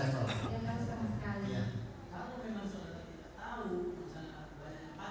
sepertinya saya tidak pernah